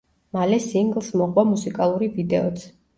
მალე სინგლს მოყვა მუსიკალური ვიდეოც.